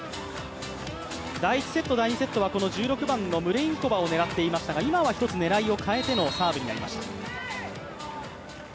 第１セット、第２セットは１６番のムレインコバを狙っていましたが、今は一つ、狙いを変えてのサーブになりました。